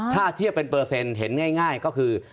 ถ้าเทียบเป็นเปอร์เซ็นต์เห็นง่ายก็คือ